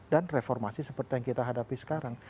dan reformasi seperti yang kita hadapi sekarang